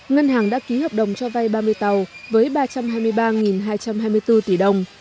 ngân hàng đã ký hợp đồng cho vay ba mươi tàu với ba trăm hai mươi ba hai trăm hai mươi bốn tỷ đồng